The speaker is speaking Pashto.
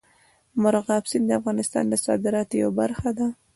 مورغاب سیند د افغانستان د صادراتو یوه برخه ده.